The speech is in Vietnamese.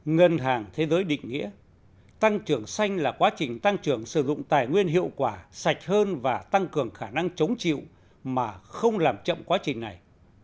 ngân hàng thế giới định nghĩa tăng trưởng xanh là quá trình tăng trưởng sử dụng tài nguyên hiệu quả sạch hơn và tăng cường khả năng chống chịu mà không làm chậm quá trình này